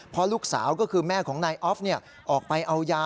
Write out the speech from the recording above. พอลูกสาวก็คือแม่ของนายออฟเนี่ย